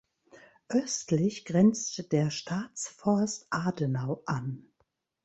Östlich grenzt der "Staatsforst Adenau" an.